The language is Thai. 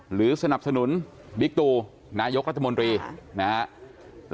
หรือสนับสนุนบิ๊กตูนายกรัฐมนตรีนะครับ